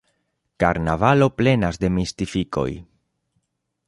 Karnavalo plenas de mistifikoj.